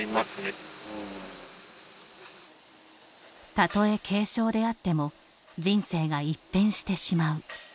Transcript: たとえ軽症であっても人生が一変してしまう。